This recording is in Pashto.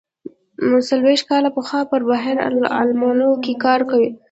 څلوېښت کاله پخوا پر بحر العلوم کار کاوه.